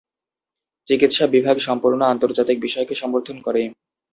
চিকিৎসা বিভাগ সম্পূর্ণ আন্তর্জাতিক বিষয়কে সমর্থন করে।